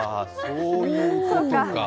そういうことか。